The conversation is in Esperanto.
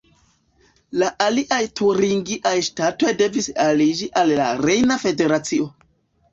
La aliaj turingiaj ŝtatoj devis aliĝi al Rejna Federacio.